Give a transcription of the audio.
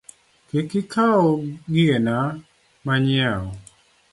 Kik ikaw gigena manyiewo